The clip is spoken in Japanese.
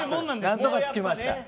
何とか着きました。